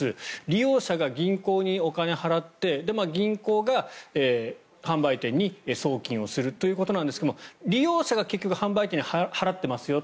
利用者が銀行にお金を払って銀行が販売店に送金をするということですが利用者が結局、販売店に払っていますよ。